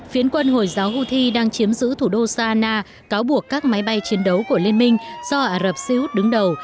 phiến quân hồi giáo houthi đang chiếm giữ thủ đô sahana cáo buộc các máy bay chiến đấu của liên minh do ả rập xê út đứng đầu